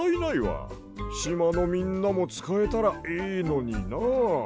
しまのみんなもつかえたらいいのにな。